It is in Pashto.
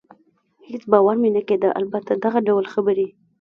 هېڅ باور مې نه کېده، البته دغه ډول خبرې.